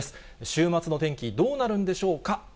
週末の天気、どうなるんでしょうか。